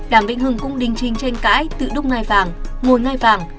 đàm vĩnh hưng cũng đình trình tranh cãi tự đúc ngai vàng ngồi ngay vàng